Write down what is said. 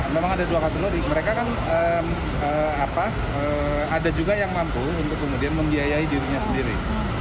memang ada dua kategori mereka kan ada juga yang mampu untuk kemudian membiayai dirinya sendiri